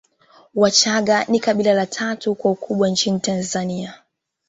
Wachagga ni kabila la tatu kwa ukubwa nchini Tanzania